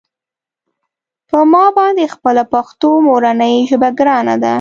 په ما باندې خپله پښتو مورنۍ ژبه ګرانه ده.